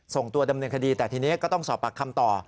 ส่งตัวดำเนินคดีแต่ทีนี้ก็ต้องสอบปากคำต่อ